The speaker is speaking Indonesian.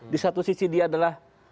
di satu sisi dia adalah